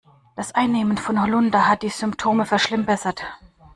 Das Einnehmen von Holunder hat die Symptome verschlimmbessert.